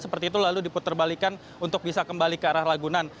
seperti itu lalu diputar balikan untuk bisa kembali ke arah ragunan